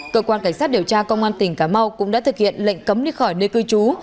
cơ quan cảnh sát điều tra công an tỉnh cà mau cũng đã thực hiện lệnh cấm đi khỏi nơi cư trú